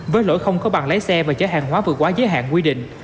với lỗi không có bằng lái xe và chở hàng hóa vượt quá giới hạn quy định